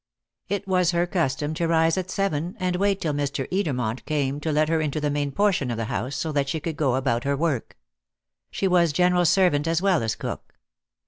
It was her custom to rise at seven and wait till Mr. Edermont came to let her into the main portion of the house, so that she could go about her work. She was general servant as well as cook.